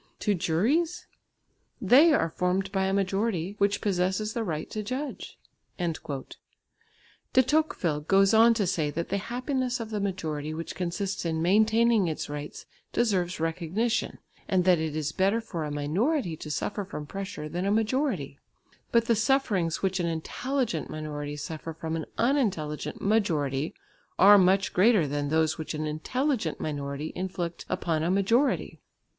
To juries? They are formed by a majority which possesses the right to judge." De Tocqueville goes on to say that the happiness of the majority which consists in maintaining its rights deserves recognition, and that it is better for a minority to suffer from pressure than a majority, but the sufferings which an intelligent minority suffer from an unintelligent majority are much greater than those which an intelligent minority inflict upon a majority.